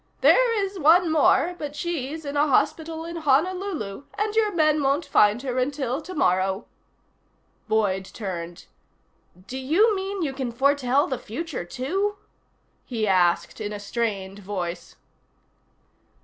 "There is one more, but she's in a hospital in Honolulu, and your men won't find her until tomorrow." Boyd turned. "Do you mean you can foretell the future, too?" he asked in a strained voice.